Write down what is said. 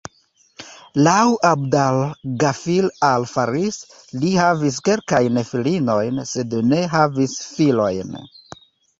Laŭ 'Abd al-Ghafir al-Farisi, li havis kelkajn filinojn, sed ne havis filojn.